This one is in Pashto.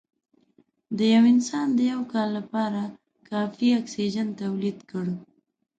د یو انسان د یو کال لپاره کافي اکسیجن تولید کړ